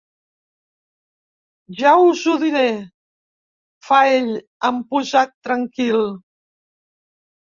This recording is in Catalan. Ja us ho diré —fa ell, amb posat tranquil—.